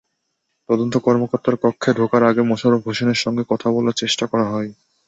তদন্ত কর্মকর্তার কক্ষে ঢোকার আগে মোশাররফ হোসেনের সঙ্গে কথা বলার চেষ্টা করা হয়।